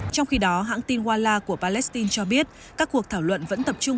trong khi đó hãng tin wala của palestine cho biết các cuộc thảo luận vẫn tập trung